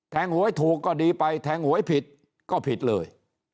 หวยถูกก็ดีไปแทงหวยผิดก็ผิดเลย